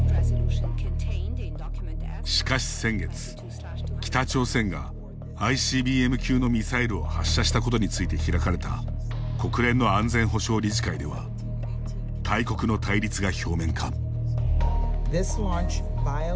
しかし先月北朝鮮がＩＣＢＭ級のミサイルを発射したことについて開かれた国連の安全保障理事会では大国の対立が表面化。